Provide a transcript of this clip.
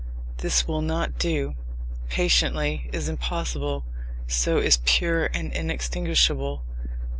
This will not do. "Patiently" is impossible; so is "pure and inextinguishable."